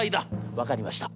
『分かりました。